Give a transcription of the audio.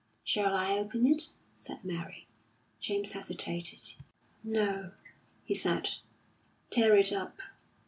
"Shall I open it?" said Mary. James hesitated. "No," he said; "tear it up."